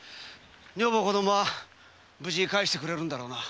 女房と子供は無事に返してくれるんだな。